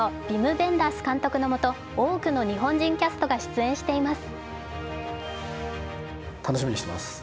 ヴェンダース監督のもと多くの日本人キャストが出演しています。